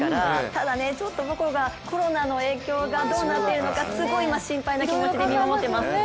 ただ、母校がコロナの影響がどうなっているのかすごい今、心配な気持ちで見守っています。